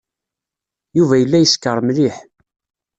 Yuba yella yeskeṛ mliḥ.